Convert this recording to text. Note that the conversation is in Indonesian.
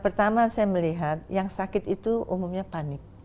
pertama saya melihat yang sakit itu umumnya panik